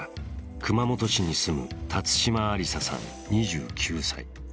熊本市に住む辰島ありささん２９歳。